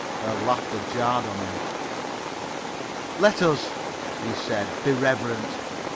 Her laughter jarred on him. "Let us," he said, "be reverent.